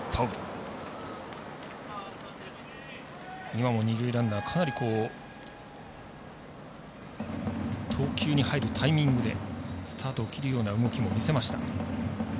今も二塁ランナーかなり投球に入るタイミングでスタートを切るような動きも見せました。